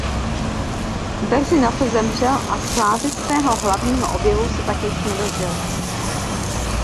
Brzy nato zemřel a slávy svého hlavního objevu se tak již nedožil.